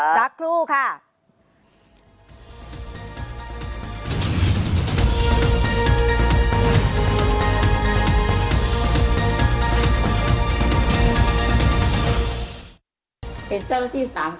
สักครู่ค่ะ